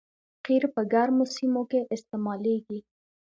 قیر په ګرمو سیمو کې استعمالیږي